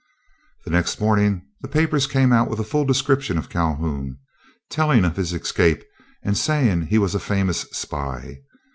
The next morning the papers came out with a full description of Calhoun, telling of his escape, and saying he was a famous spy.